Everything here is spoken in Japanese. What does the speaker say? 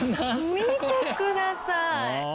見てください。